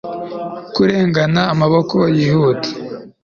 kurengana amaboko yihuta